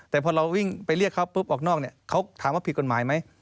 แต่พอเราวิ่งไปเรียกเขาปุ๊บออกนอกเนี่ยเขาถามว่าผิดกฎหมายไหม